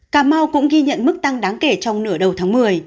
cà mau cũng ghi nhận mức tăng đáng kể trong nửa đầu tháng một mươi